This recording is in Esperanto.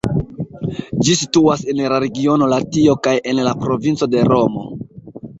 Ĝi situas en la regiono Latio kaj en la provinco de Romo.